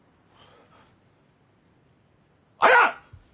綾！